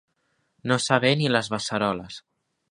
No saber ni les beceroles.